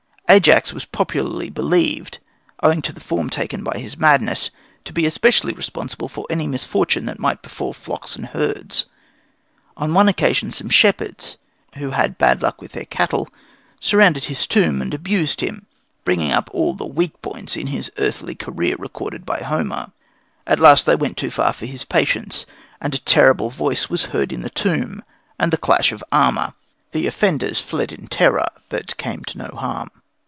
Ajax was popularly believed, owing to the form taken by his madness, to be especially responsible for any misfortune that might befall flocks and herds. On one occasion some shepherds, who had had bad luck with their cattle, surrounded his tomb and abused him, bringing up all the weak points in his earthly career recorded by Homer. At last they went too far for his patience, and a terrible voice was heard in the tomb and the clash of armour. The offenders fled in terror, but came to no harm.